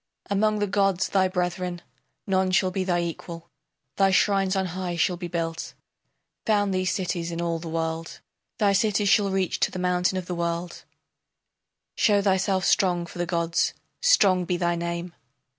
Among the gods thy brethren, none shall be thy equal, Thy shrines on high shall be built; Found thee cities in all the world; Thy cities shall reach to the mountain of the world; Show thyself strong for the gods, strong be thy name!